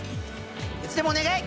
いつでもお願い！